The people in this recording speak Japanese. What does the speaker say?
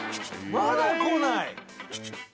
まだこない？